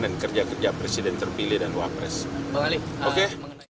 dan kerja kerja presiden terpilih dan luar presi